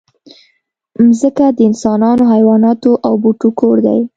مځکه د انسانانو، حیواناتو او بوټو کور دی.